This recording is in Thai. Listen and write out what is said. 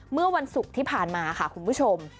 เมื่อวันศุกร์ที่ผ่านมาค่ะคุณผู้ชม